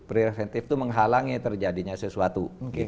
preventif itu menghalangi terjadinya sesuatu